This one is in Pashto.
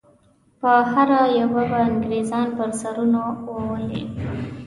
په هره یوه به انګریزان پر سرونو وولي.